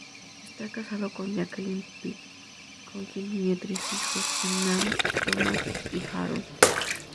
Está casado con Jacqueline Peet, con quien tiene tres hijos, Hernán, Thomas y Harold.